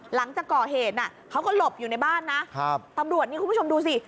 หลังจากก่อเหตุน่ะเขาก็หลบอยู่ในบ้านนะครับตำรวจนี่คุณผู้ชมดูสิ